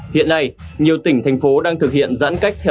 hiện nay nhiều tỉnh thành phố đang thực hiện giãn cách